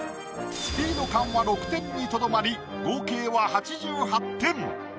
スピード感は６点にとどまり合計は８８点。